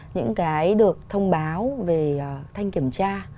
những cái được thông báo về thanh kiểm tra